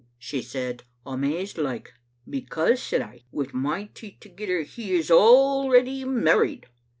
she said, amazed like. "'Because,' said I, wi' my teeth thegither, 'he is al ready married.